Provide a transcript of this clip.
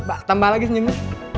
demba tambah lagi sejenisnya